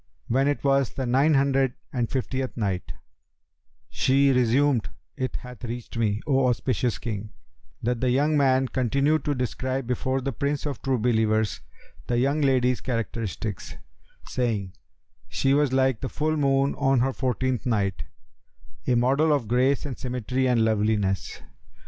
When it was the Nine Hundred and Fiftieth Night, She resumed, It hath reached me, O auspicious King, that the young man continued to describe before the Prince of True Believers the young lady's characteristics, saying, "She was like the full moon on her fourteenth night, a model of grace and symmetry and loveliness.